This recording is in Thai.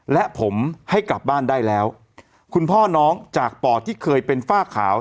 และผมให้กลับบ้านได้แล้วคุณพ่อน้องจากปอดที่เคยเป็นฝ้าขาว